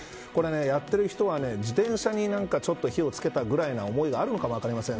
やっている人は、自転車に火を付けたぐらいの思いがあるのかも分かりません。